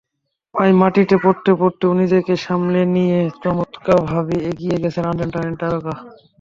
প্রায় মাটিতে পড়তে পড়তেও নিজেকে সামলে নিয়ে চমত্কারভাবে এগিয়ে গেছেন আর্জেন্টাইন তারকা।